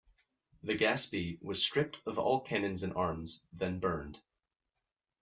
The "Gaspee" was stripped of all cannon and arms, then burned.